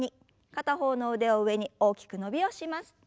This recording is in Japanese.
片方の腕を上に大きく伸びをします。